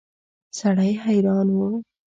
سړی حیران و.